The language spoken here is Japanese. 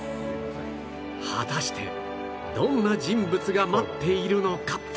果たしてどんな人物が待っているのか？